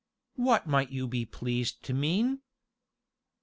"What might you be pleased to mean?"